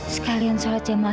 sekalian sholat jemaah